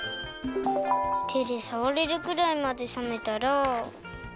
てでさわれるくらいまでさめたら。